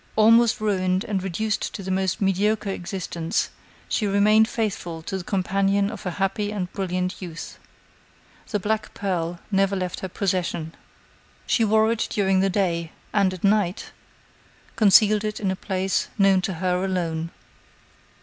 Almost ruined, and reduced to the most mediocre existence, she remained faithful to the companion of her happy and brilliant youth. The black pearl never left her possession. She wore it during the day, and, at night, concealed it in a place known to her alone.